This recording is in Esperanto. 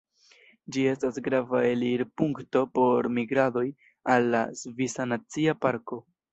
Ĝi estas grava elirpunkto por migradoj al la Svisa Nacia Parko.